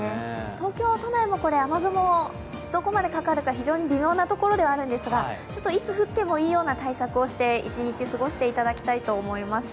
東京は都内も雨雲どこまでかかるか非常に微妙なところではあるんですが、いつ降ってもいいような対策をして一日過ごしていただきたいと思います。